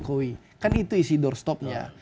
kan itu isi doorstopnya